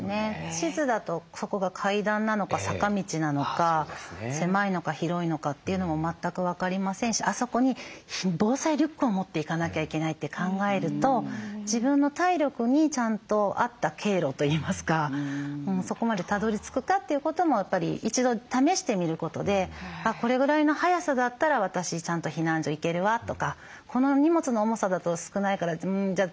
地図だとそこが階段なのか坂道なのか狭いのか広いのかっていうのも全く分かりませんしあそこに防災リュックを持っていかなきゃいけないって考えると自分の体力にちゃんと合った経路といいますかそこまでたどりつくかということもやっぱり一度試してみることでこれぐらいの速さだったら私ちゃんと避難所行けるわとかこの荷物の重さだと少ないからじゃあ